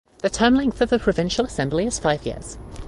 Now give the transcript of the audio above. The term length of the provincial assembly is five years.